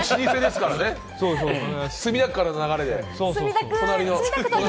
墨田区からの流れでね。